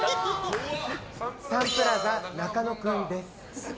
サンプラザ中野くんです。